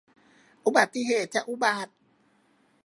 อุบัติเหตุจะอุบัติ